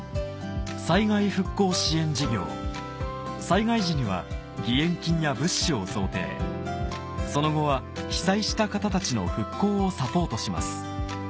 災害時には義援金や物資を贈呈その後は被災した方たちの復興をサポートします